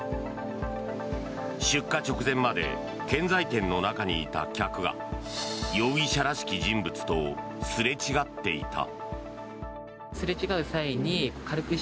出火直前まで建材店の中にいた客が容疑者らしき人物とすれ違っていた。